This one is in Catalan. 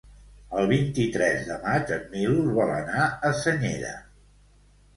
El vint-i-tres de maig en Milos vol anar a Senyera.